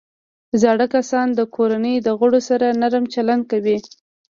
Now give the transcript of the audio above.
زاړه کسان د کورنۍ د غړو سره نرم چلند کوي